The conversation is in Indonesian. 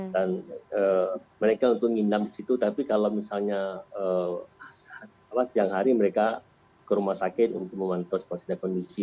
dan mereka untuk nginam di situ tapi kalau misalnya siang hari mereka ke rumah sakit untuk memantul spasida kondisi